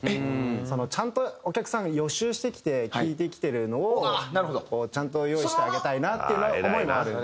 そのちゃんとお客さんが予習してきて聴いてきてるのをちゃんと用意してあげたいなっていう思いもあるんで。